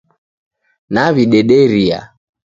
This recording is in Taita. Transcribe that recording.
Nawidederia